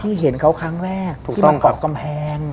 เห็นเขาครั้งแรกที่มากรอบกำแพง